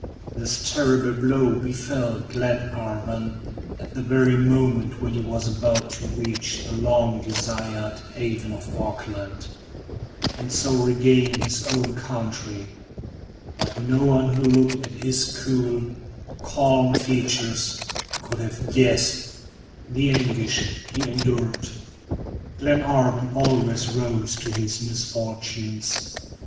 This terrible blow befell Glenarvan at the very moment when he was about to reach the long desired haven of Auckland, and so regain his own country; but no one who looked at his cool, calm features, could have guessed the anguish he endured. Glenarvan always rose to his misfortunes.